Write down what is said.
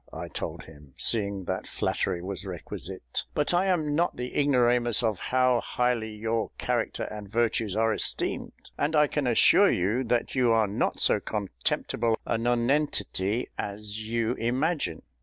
I told him, seeing that flattery was requisite; "but I am not the ignoramus of how highly your character and virtues are esteemed, and I can assure you that you are not so contemptible a nonentity as you imagine.